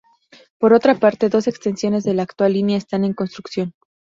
Por otra parte, dos extensiones de la actual línea están en construcción.